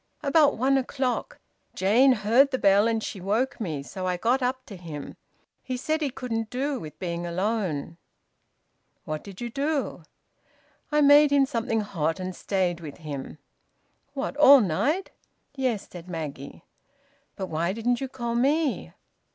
"About one o'clock. Jane heard the bell, and she woke me. So I got up to him. He said he couldn't do with being alone." "What did you do?" "I made him something hot and stayed with him." "What? All night?" "Yes," said Maggie. "But why didn't you call me?"